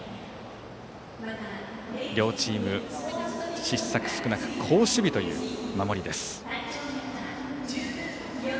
両チーム、失策少なく好守備という守りです。